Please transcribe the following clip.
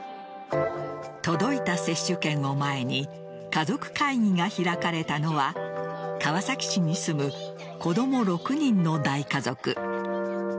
届いた接種券を前に家族会議が開かれたのは川崎市に住む子供６人の大家族。